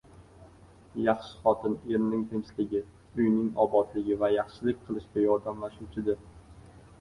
• Yaxshi xotin erning tinchligi, uyning obodligi va yaxshilik qilishga yordamlashuvchidir.